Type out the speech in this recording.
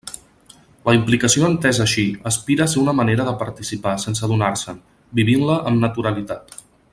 La implicació entesa així aspira a ser una manera de participar sense adonar-se'n, vivint-la amb naturalitat.